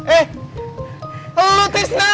eh eh tisna